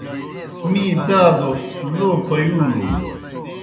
می دادوْ لو پیُولُن۔